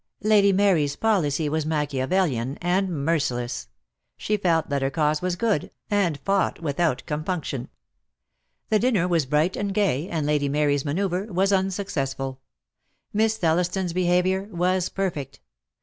Lady Mary's policy was Machiavelian and merciless. She felt that her cause was good, and fought without compunction. The dinner was bright and gay, and Lady Mary's manoeuvre was unsuccessful. Miss Thelliston's be haviour was perfect.